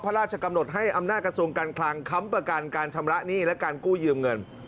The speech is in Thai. พระราชกำหนดให้อำนาจกระทรวงการคลังค้ำประกันการชำระหนี้และการกู้ยืมเงิน